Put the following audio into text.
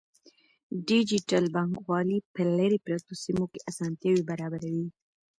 ډیجیټل بانکوالي په لیرې پرتو سیمو کې اسانتیاوې برابروي.